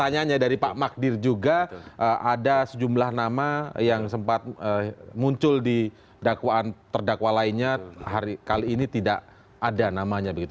pertanyaannya dari pak magdir juga ada sejumlah nama yang sempat muncul di dakwaan terdakwa lainnya kali ini tidak ada namanya begitu